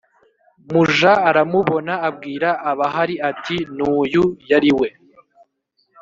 muja aramubona abwira abahari ati N uyu yari we